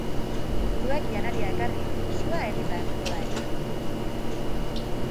Zuek janaria ekarri, sua eginda egongo da eta!